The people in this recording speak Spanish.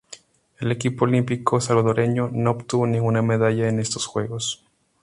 El equipo olímpico salvadoreño no obtuvo ninguna medalla en estos Juegos.